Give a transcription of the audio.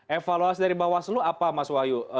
evaluasi dari mbak waslu apa mas wahyu